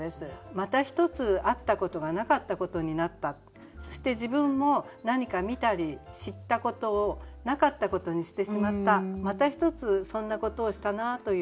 「またひとつあったことがなかったことになった」そして自分も何か見たり知ったことをなかったことにしてしまったまたひとつそんなことをしたなという。